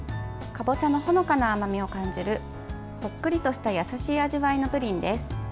かぼちゃのほのかな甘みを感じるほっくりとした優しい味わいのプリンです。